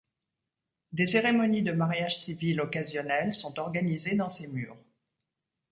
Des cérémonies de mariage civil occasionnelles sont organisées dans ses murs.